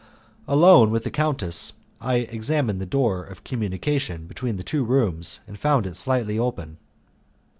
Alone with the countess, I examined the door of communication between the two rooms and found it slightly open.